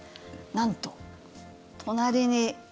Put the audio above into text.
なんと、隣に。